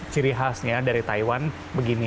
ciri khasnya dari taiwan begini